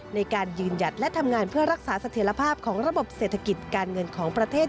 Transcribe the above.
ในการยืนหยัดและทำงานเพื่อรักษาเสถียรภาพของระบบเศรษฐกิจการเงินของประเทศ